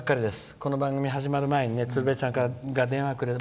この番組始まる前に鶴瓶ちゃんが電話をくれて。